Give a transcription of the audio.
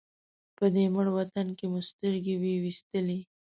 په دې مړ وطن کې مو سترګې وې وېستلې.